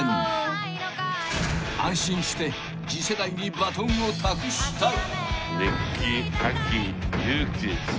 ［安心して次世代にバトンを託したい］